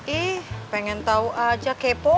ih pengen tahu aja kepo